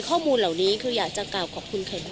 ข้อมูลเหล่านี้คืออยากจะกล่าวขอบคุณใครบ้าง